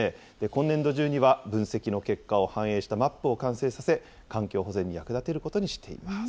今年度中には、分析の結果を反映したマップを完成させ、環境保全に役立てることにしています。